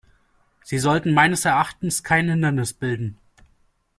Sie sollten meines Erachtens kein Hindernis bilden.